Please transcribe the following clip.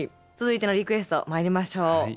続いてのリクエストまいりましょう。